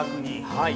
はい。